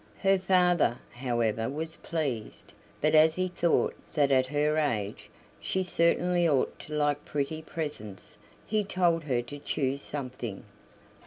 Her father, however, was pleased, but as he thought that at her age she certainly ought to like pretty presents, he told her to choose something.